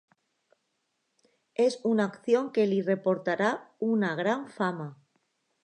És una acció que li reportarà una gran fama.